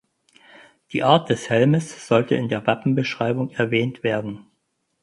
Die Art des Helmes sollte in der Wappenbeschreibung erwähnt werden.